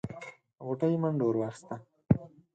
غوټۍ منډه ور واخيسته.